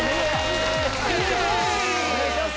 お願いします！